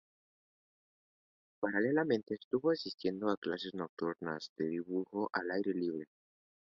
Paralelamente, estuvo asistiendo a clases nocturnas de dibujo al aire libre.